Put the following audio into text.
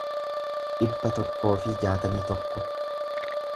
dhibba tokkoo fi jaatamii tokko